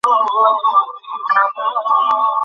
ইহারাই দেশের আদিম অধিবাসী এবং কখনও আর্য বা হিন্দু হয় নাই।